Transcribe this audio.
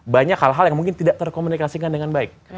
banyak hal hal yang mungkin tidak terkomunikasikan dengan baik